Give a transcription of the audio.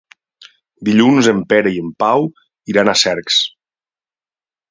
Dilluns en Pere i en Pau iran a Cercs.